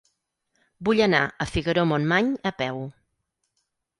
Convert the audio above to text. Vull anar a Figaró-Montmany a peu.